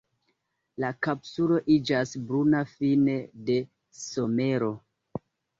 La kapsulo iĝas bruna fine de somero.